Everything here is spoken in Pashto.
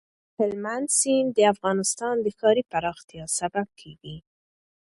هلمند سیند د افغانستان د ښاري پراختیا سبب کېږي.